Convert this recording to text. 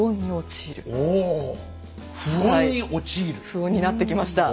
不穏になってきました。